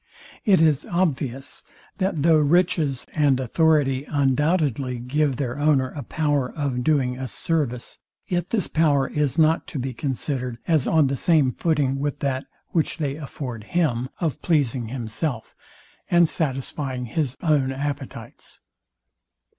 It is obvious, that though riches and authority undoubtedly give their owner a power of doing us service, yet this power is not to be considered as on the same footing with that, which they afford him, of pleasing himself, and satisfying his own appetites.